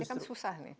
ini kan susah nih